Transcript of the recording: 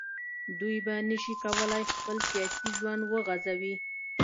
دوی به نه شي کولای خپل سیاسي ژوند وغځوي